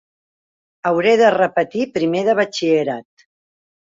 Hauré de repetir primer de batxillerat.